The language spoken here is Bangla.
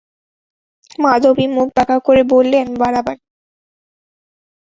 মাধবী মুখ বাঁকা করে বললেন, বাড়াবাড়ি।